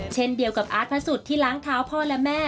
เช่นเดียวกับอาร์ตพระสุทธิ์ที่ล้างเท้าพ่อและแม่